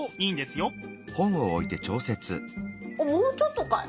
もうちょっとかい？